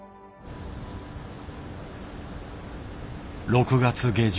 ６月下旬。